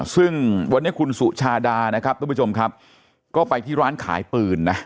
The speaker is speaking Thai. ซึ่งวันนี้คุณสุชาดานะครับทุกผู้ชมครับก็ไปที่ร้านขายปืนนะ